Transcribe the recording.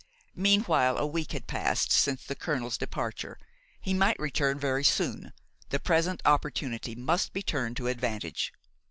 Meanwhile a week had passed since the colonel's departure; he might return very soon; the present opportunity must be turned to advantage.